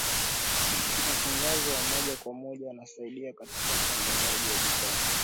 matangazo ya moja kwa moja yanasaidia katika usambazaji wa bidhaa